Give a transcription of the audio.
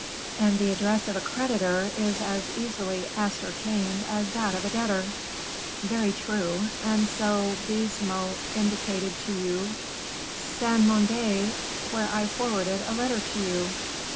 "And the address of a creditor is as easily ascertained as that of a debtor." "Very true; and so Baisemeaux indicated to you " "Saint Mande, where I forwarded a letter to you."